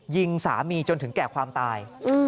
ยิงสามีจนถึงแก่ความตาย